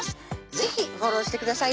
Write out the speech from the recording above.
是非フォローしてください